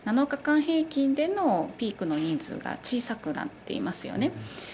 ７日間平均でのピークの人数が小さくなっていますよね。